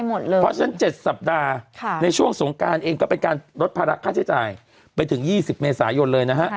เพราะฉะนั้น๗สัปดาห์ในช่วงสงการเองก็เป็นการลดภาระค่าใช้จ่ายไปถึง๒๐เมษายนเลยนะฮะ